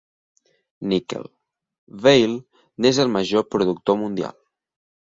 Níquel: Vale n'és el major productor mundial.